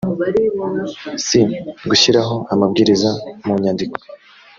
c gushyiraho amabwiriza mu nyandiko